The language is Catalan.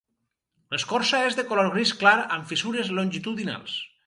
L'escorça és de color gris clar amb fissures longitudinals.